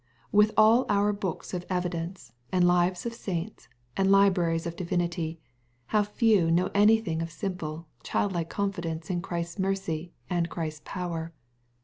With all oni books of evidence, and lives of saints, and libraries of divinity, how few know anything of ilimple, childlike confidence in Christ's mercy and Christ's power.